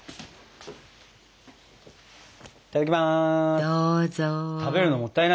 いただきます。